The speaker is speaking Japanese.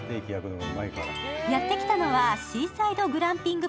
やってきたのはシーサイドグランピング